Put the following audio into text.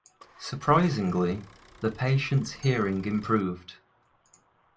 Surprisingly, the patient's hearing improved.